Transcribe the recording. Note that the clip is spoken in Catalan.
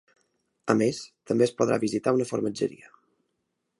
A més, també es podrà visitar una formatgeria.